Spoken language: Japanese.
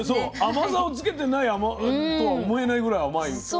甘さをつけてないとは思えないぐらい甘いの。